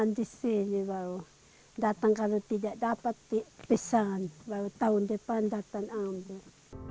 kalau datang kalau tidak dapat pesan baru tahun depan datang ambil